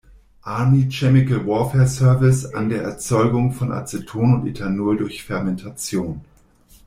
Army Chemical Warfare Service" an der Erzeugung von Aceton und Ethanol durch Fermentation.